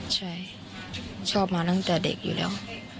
ใช่ชอบมาตั้งแต่เด็กอยู่แล้ว